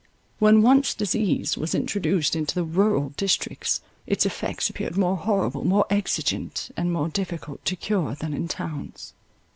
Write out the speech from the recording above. When once disease was introduced into the rural districts, its effects appeared more horrible, more exigent, and more difficult to cure, than in towns.